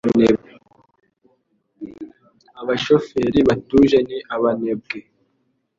abashoferi batuje ni abanebwe